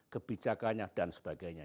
kebijakannya dan sebagainya